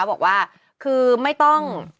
บอกว่าคือไม่ต้อง